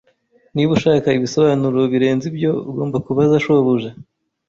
Niba ushaka ibisobanuro birenze ibyo, ugomba kubaza shobuja.